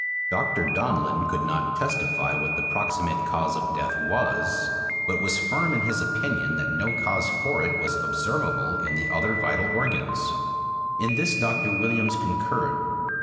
Dr. Donlin could not testify what the proximate cause of death was, but was firm in his opinion that no cause for it was observable in the other vital organs. In this Dr. Williams concurred.